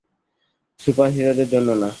সুপারহিরোদের জন্য না।